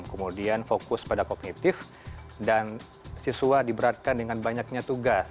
kemudian fokus pada kognitif dan siswa diberatkan dengan banyaknya tugas